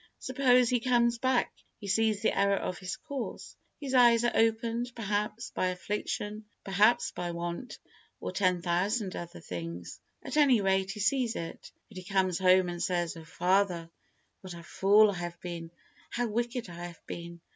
Suppose he comes back, he sees the error of his course. His eyes are opened, perhaps, by affliction, perhaps by want, or ten thousand other things. At any rate he sees it, and he comes home and says, "Oh! father, what a fool I have been; how wicked I have been.